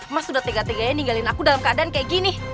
mas udah tega teganya ninggalin aku dalam keadaan kayak gini